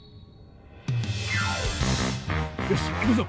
よし行くぞ！